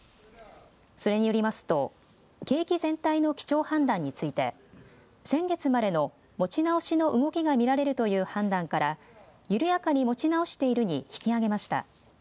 それによりますと景気全体の基調判断について先月までの持ち直しの動きが見られるという判断から緩やかに持ち直しているに引き上げました。